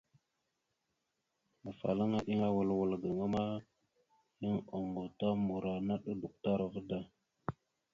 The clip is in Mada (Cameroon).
Afalaŋa eɗeŋa awal wal gaŋa ma, yan oŋgov ta morara naɗ a duktar da.